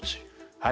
はい。